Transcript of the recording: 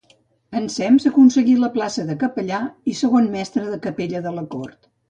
Ensems aconseguí la plaça de capellà i segon mestre de capella de la cort.